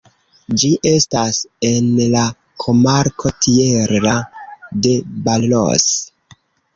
Ĝi estas en la komarko Tierra de Barros.